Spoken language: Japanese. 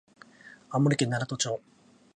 青森県七戸町